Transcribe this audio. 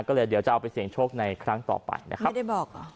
ก็เลยเดี๋ยวจะเอาไปเสี่ยงโชคในครั้งต่อไปนะครับไม่ได้บอกเหรอ